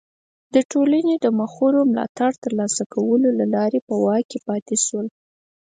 د ټولنې د مخورو ملاتړ ترلاسه کولو له لارې په واک کې پاتې شول.